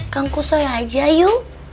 kang kusoy aja yuk